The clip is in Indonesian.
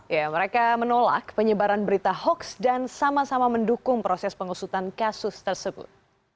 ya mereka menolak penyebaran berita hoaks dan sama sama mendukung proses pengusutan kasus tersebut